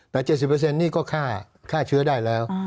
แต่๗๐นี่ก็ฆ่าเชื้อได้แล้ว